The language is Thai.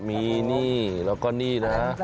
มีนี่แล้วก็นี่นะ